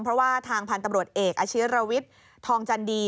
เพราะว่าทางพันธุ์ตำรวจเอกอาชิรวิทย์ทองจันดี